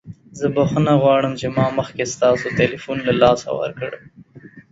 زه بخښنه غواړم چې ما مخکې ستاسو تلیفون له لاسه ورکړ.